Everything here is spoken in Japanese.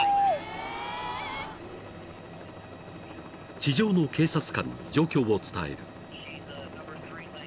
［地上の警察官に状況を伝える］